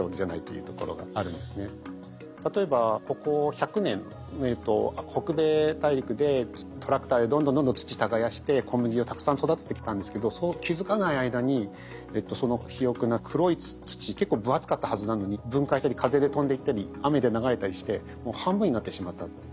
別に例えばここ１００年北米大陸でトラクターでどんどんどんどん土耕して小麦をたくさん育ててきたんですけど気付かない間にその肥沃な黒い土結構分厚かったはずなのに分解したり風で飛んでいったり雨で流れたりしてもう半分になってしまったって。